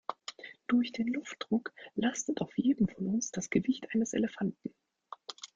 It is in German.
Durch den Luftdruck lastet auf jedem von uns das Gewicht eines Elefanten.